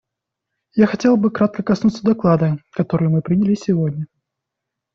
Я хотела бы кратко коснуться доклада, который мы приняли сегодня.